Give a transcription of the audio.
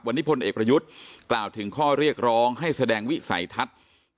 วันนี้พลเอกประยุทธ์กล่าวถึงข้อเรียกร้องให้แสดงวิสัยทัศน์